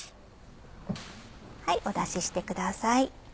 お出ししてください。